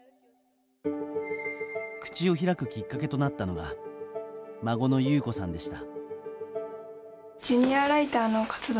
口を開くきっかけとなったのが孫の裕子さんでした。